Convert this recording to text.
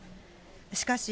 しかし、